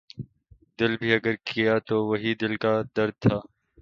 دل بھی اگر گیا تو وہی دل کا درد تھا